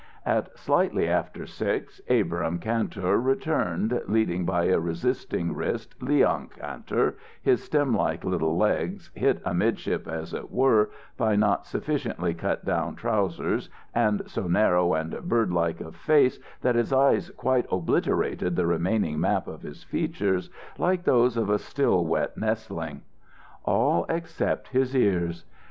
At slightly after six, Abrahm Kantor returned, leading by a resisting wrist Leon Kantor, his stemlike little legs, hit midship, as it were, by not sufficiently cut down trousers and so narrow and birdlike of face that his eyes quite obliterated the remaining map of his features, like those of a still wet nestling. All except his ears.